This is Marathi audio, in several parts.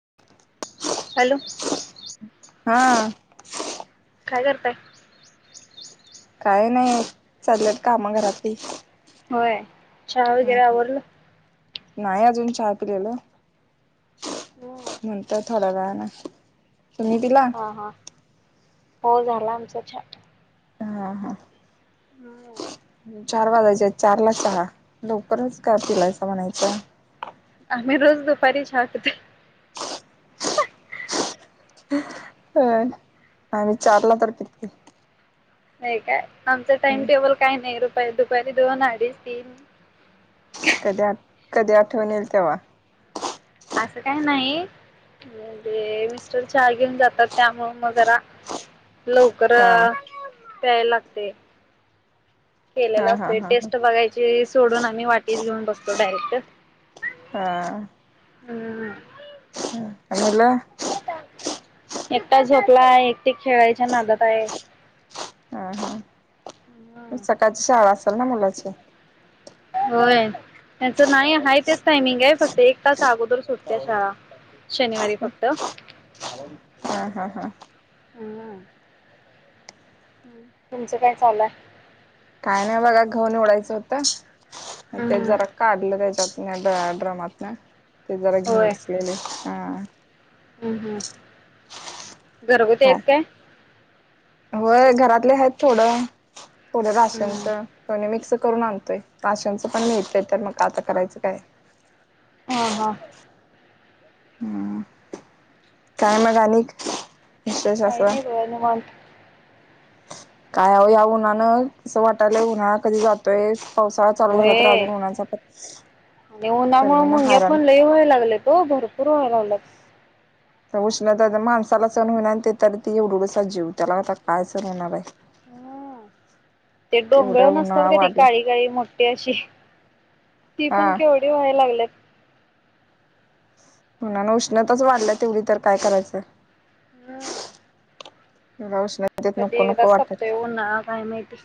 [inaudible] [inaudible] हॅलो [inaudible] [inaudible] हा [inaudible] काय करताय [inaudible] काय नाही चाललेत काम घरातही. होय. चहा वगैरे आवरल. नाही अजून चहा पिलेला हम्म [unintelligible] म्हणतात थेडया वेल्यान [inaudible] तुम्ही पिला हा हा हो झाला आमचा चहा हा हा हम्म चार वाजायचे चारला चहा लवकरच चहा पिलायसा म्हणायचा आम्ही रोज दपारी चहा पिते अ आणि विचारला तर पितती का आहेय आमचं टाइम टेबल काही नाही र दुपारी दोन अडीच तीन [inaudible] कद्या कध्या ठेवून येईल तेव्हा असं काही नाही म्हणजे मिस्टर चार घेऊन जातात त्यामुळ मग जरा लवकर हा प्यायला लागत्य हा केलेलं हा असतो हा टेस्ट बघायची सोडून आम्ही वाटीच घेऊन तो डारेक्ट हा हम् अला [inaudible] एकटा झोपला आहे एकटे खेळायच्या नादात आहे [inaudible] हा हा हम्म सकाळची शाळा अस असल न मुलाची होय त्याच नाही आहेा तेच टायमिंग आहे फक्त एक तास अगोदर सुटते शाळा शनिवारी फक्त हा हा हा हम तुमचं काय चालू हाय काय नाही बघा घऊ निवडायचं होत हम्म ते हम्म जरा काढलं त्याच्यात ड्रामातन ते जरा घेऊन बसलेले हा हम् हम घरगुती हा. आहेत काय ले आहेत थोडं थोड्या हम्म भाषांचं दोन्ही मिक्स करून आणतोय राशांनचं पण मिळत्यात त्याना मग आता करायचं काय हा हा हम्म काय मग आणि काय नाही ग निवांत काय आहो ह्या उन्हानं असं वाटायलाय उन्हाळा कधी जातोय पावसाळा चालू झाला तर होय अजून उन्हाचा आणि उन्हामूळ गरमीनं मुंग्या हैराण पण लय व्हायला लागल्यात ओ भरपूर व्हायला लागल्यात उष्णता न माणसाला सण हूना आणि ते तरी ते एवढूसा जीव त्याला आता काय सण होणार आहे हे ते केवढा डोंगळ नसतात उन्हाळा का ते वाढलाय काळी काळी मोठ मोठ्ठी अशी ती पण हा. केवढी व्हाय लागल्यात म्हणून उष्णताच वाढल्या तेवढी तर काय करायचंय हम्म वश [unintelligible] कधी नको एकदा नको वाटत सपतोय उन्हाळा काय माहिती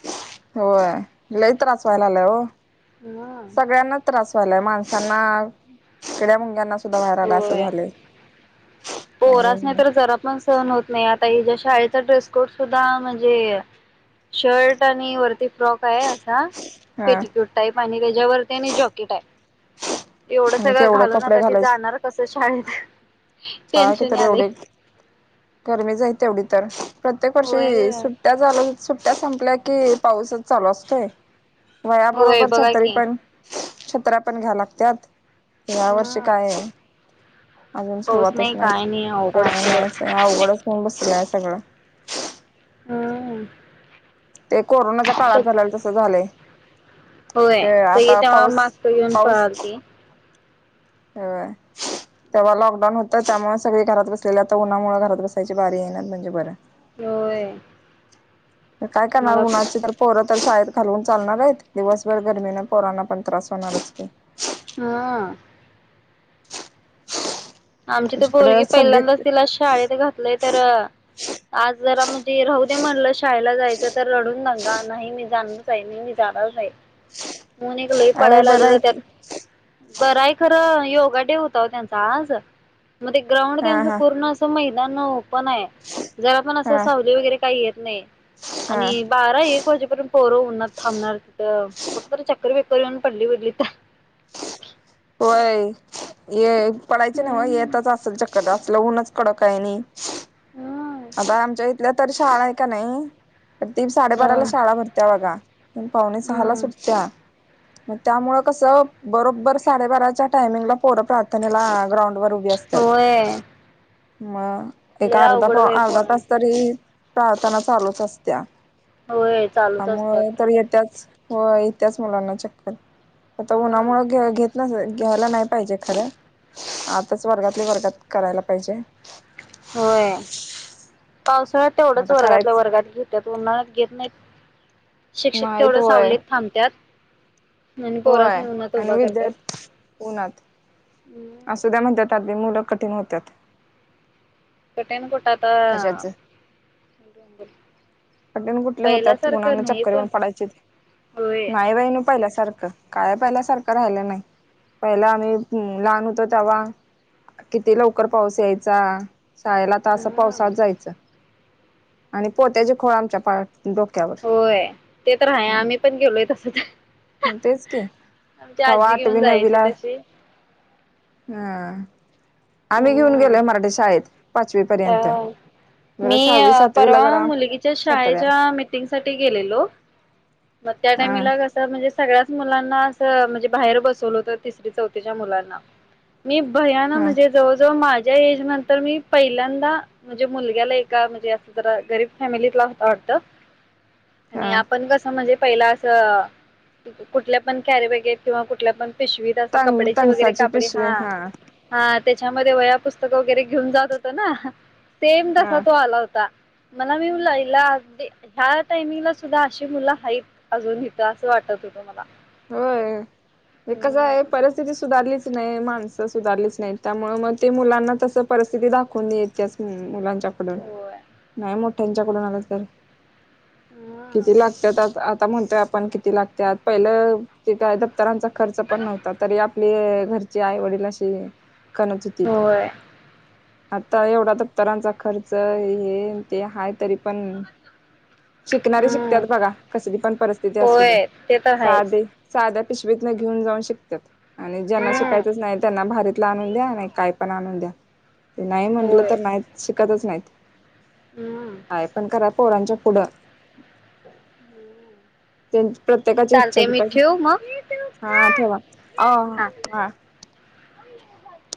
हो लय त्रास व्हाय लायलाय ओ हम व्हायलाय माणसांना किड्या मुंग्यांना बाहेर आला असं झालय पोहरासनी तर जरा पण सहन होत नाही ज्या शाळेचा ड्रेस कोड सुद्धा म्हणजे शर्ट आणि वरती फ्रॉक आहे असा हा पेटिकोट टाईप आणि तेज्यावरती आणि जॉकेट आहे एवढं आणि सगळं तेवढं घालून कपडे आता ते जाणार कस काच [unintelligible] पाट तर एवढे गरमी जाय तेवढी तर प्रत्येक होय वर्षी गं सुट्ट्या झालं उत्सुक त्या संपल्या की पाऊसच चालू असतोय. वया होय बरोबरच्या बघा तरी की पण छत्र्या पण घ्याव लागत्यात. या वर्षी हम्म काय आहे? अ पाऊस सुरुवातच नाही, काय अवघड काही सगळं नाही आवघडच होऊन बसल्यात सगळ. ह्म्म. ते कोरोनाच्या काळात झालेल तसं झालंय. होय ते सये आता तेव्हा पाऊस मास्क घेऊन पळालती. ह तेव्हा लॉकडाऊन होतं त्यामुळे सगळे घरात बसलेले आता उन्हामुळे घरात बसायची बारी येणार म्हणजे बरं. होय त काय करणार मला उन्हाची पण पोर तर शाळेत घालवून चालणार आहेत, दिवसभर गर्मीने परांना पण त्रास होणार असते. ह्म्म. आमची तर तुझ्याकडं पोरगी सगळी पहिल्यांदाच तिला शाळेत घातलंय तर आज जरा म्हणजे राहू दे म्हणलं शाळेला जायचं तर रडून नंगा नाही मी जाण पहिनी मी जाणारच आहे ऊन एक लई अरे पडायला बरं आलेलं आहे त्यात की बरं आहे खरं योग बड्डे होता हो त्यांचा आज. मग ते ग्राउंड हा त्यांचं हा पूर्ण असं माहित नानव पण आहे जेव्हापण असं हा सावली वगैरे काही येत नये. हा आणि बारा एक वाजेपर्यंत पोर उन्हात थांबणार ति कुठ तरी चक्कर बि कर करून पडली बिडली तर. होय ये. पडायचे नव्ह हम्म येतच असेल चक्कर दाव ल ऊनच कडक काय आहे आणि हम्म आता आमच्या इथल्या तर शाळा आहे का नाही ती साडेबाराला शाळा भरत्या बघा पण पावने सहाला हम्म सुटत्या. मग त्यामुळे कसं बरोबर साडेबाराच्या टायमिंगला पोरं प्रार्थनेला ग्राउंड वर उभी असत्यात होय मग. ते लय का आरदा तो अवघड बाई अर्धा तास पोरांचं तरी चालताना चालूच असत्या होय चालूच असत्या त्यामुळ खरं. तर येत्याच हो येत्याच मुलांना चक्कर आता हम्म उन्हामुळ घे घेत ना होय घ्यायला नाही पाहिजे खरं आताच वर्गातले वर्गात करायला पाहिजे होय. पावसाळ्या तेवढंच आता वर्गातल्या करायच वर्गात घेतात उन्हाळात घेत नाही शिक्षक नाहीत तेवढं होय सावलीत थांबत्यात आणि होय पोरासनी उन्हात आणि उभा करत्यात. विद्यार्थी उन्हात. हम्म असू द्या म्हणतात. मुलं कठीण होतात. [inaudible] ता [inaudible] पटले कुठले होत्यात उणांना चक्कर येऊन पडायचे होय. नाही बाईन पहिल्यासारखं काय पहिला सारख राहिलं नाही, पहिला आम्ही लहान होतो तेव्हा किती लवकर पाऊस यायचा शाळेला तर असं हम्म पावसात जायचं आणि पोत्याच खोरम च्यापार होय ते तर आहे आम्ही पण गेलोय तस तर तेच की आ़मच्या तवा आजी आठवी घेऊन जायचे तशी. हा, हम् पाचवी अ पर्यंत जरा मी सहावी सातवीला परवा जरा मुलगीच्या सतऱ्या शाळेच्या मिटिंग साठी गेलेलो मग त्या हा टाइमीला कसं म्हणजे सगळ्या मुलांना अस म्हणजे बाहेर बसवलं होत तिसरी चौथीच्या मुलांना मी भयान हा म्हणजे जवळजवळ मा माया एज नंतर मी पहिल्यांदा म्हणजे मुलग्याला एका म्हणजे असं जरा गरीब फॅमिलीतला होता वाटतं हा आणि आपण कस म्हणजे पहिला अस कुठल्या पण कॅरेबॅगेत किंवा कुठल्या पण पिशवीत अस तंग कपड्याचे वगैरे तंगसाची कापडे पिशवी हा हा-हा त्याच्यामध्ये वया पुस्तक वगैरे घेऊन जात होतो ना, सेम हा तसा तो आला होता. मला मी म्हंटलं आईला अगदी ह्या टाइमिंगला सुद्धा आशी मुला आहेत अजून इथं असं वाटत होतं मला होय, हे कस आहे? हम्म परिस्थिती सुधारलीच- नाही, माणसं सुधारलीच नाही. त्यामुळे मग ते मुलांना तस परिस्थिती दाखवून नेत्याच. अ मुलांच पकडून, होय नाही मग. त्यांच्याकडून आलं तर? हम्म किती लागतात? आता. आता म्हणतोय आपण, किती लागत्यात? पहिलं ते काय दब तरांचा खर्च पण नव्हता, तरी आपले घरचे जे आई - वडलाशी कणचितित. होय आता एवढा दफ्तरांचा खर्च? हे ते हा, तरी पण - शिकणारी हम्म शिकत्याता बघा. कसली पण परिस्थिती असू दे. होय ते तर आहेच साधे - साध्या पिशवीत न घेऊन जाऊन शकत्यात. आणि ज्यांना हम्म शिकायचंच नाही, त्यांना भारत - [unintelligible] ते नाही म्हटलं, होय तर नाहीच शिकतच नाहीत. हम्म [unintelligible] पोरांच्या पुढं - [inaudible] त्यांची प्रत्येकाची इच्छा चालते पण मी पाहिजे. ठेवू मग हा ठेवा. अ.. हा ह [inaudible]